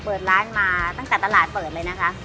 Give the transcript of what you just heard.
เปิดร้านมาตั้งแต่ตลาดเปิดเลยนะคะ